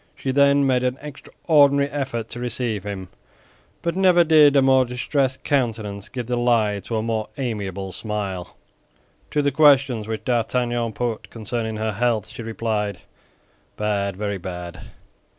She then made an extraordinary effort to receive him, but never did a more distressed countenance give the lie to a more amiable smile. To the questions which D'Artagnan put concerning her health, she replied, "Bad, very bad."